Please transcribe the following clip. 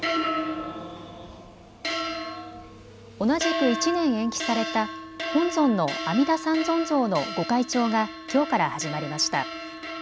同じく１年延期された本尊の阿弥陀三尊像の御開帳がきょうから始まりました。